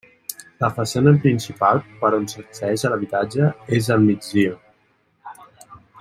La façana principal, per on s'accedeix a l'habitatge, és al migdia.